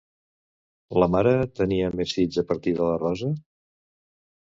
La mare tenia més fills a part de la Rosa?